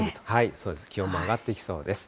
そうです、気温も上がっていきそうです。